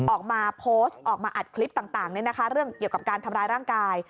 ออกมาโพสต์ออกมาอัดคลิปต่างเรื่องเกี่ยวกับการทำร้ายร่างกาย